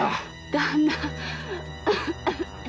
旦那。